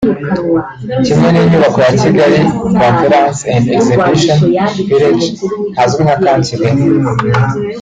kimwe n’inyubako ya “Kigali Conference and Exhibition Village” hazwi nka Camp Kigali